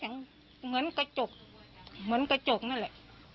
เหมือนกระจกเหมือนกระจกนั่นแหละ